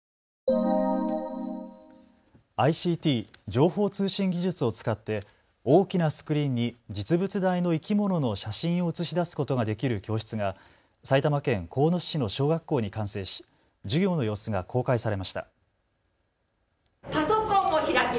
ＩＣＴ・情報通信技術を使って大きなスクリーンに実物大の生き物の写真を映し出すことができる教室が埼玉県鴻巣市の小学校に完成し授業の様子が公開されました。